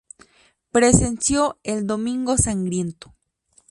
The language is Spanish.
Presenció el Domingo Sangriento.